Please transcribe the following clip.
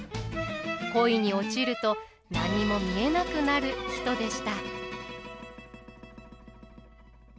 恋に落ちると何も見えなくなる人でした。